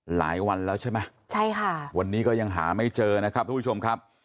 หลายวันแล้วใช่ไหมใช่ค่ะวันนี้ก็ยังหาไม่เจอนะครับทุกผู้ชมครับ